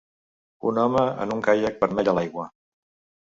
Un home en un caiac vermell a l'aigua